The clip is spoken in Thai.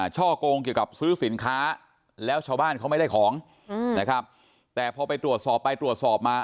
ช่อกงเกี่ยวกับซื้อสินค้าแล้วชาวบ้านเขาไม่ได้ของนะครับแต่พอไปตรวจสอบไปตรวจสอบมา